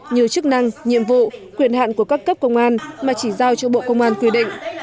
như chức năng nhiệm vụ quyền hạn của các cấp công an mà chỉ giao cho bộ công an quy định